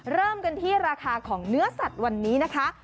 เริ่มกันที่ราคาของเนื้อสัตว์วันนี้นะคะ